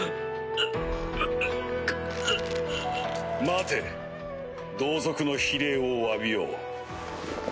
待て同族の非礼を詫びよう。